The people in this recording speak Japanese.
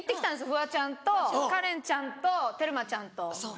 フワちゃんとカレンちゃんとテルマちゃんと。